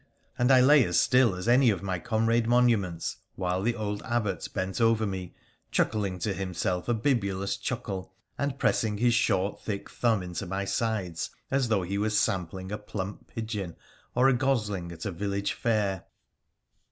' and I lay as still as any of my comrade monu ments while the old Abbot bent over me, chuckling to himself a bibulous chuckle, and pressing his short thick thumb into my sides as though he was sampling a plump pigeon or a gosling at a village fair.